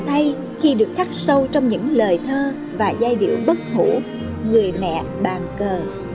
thay khi được khắc sâu trong những lời thơ và giai điệu bất hủ người mẹ bàn cờ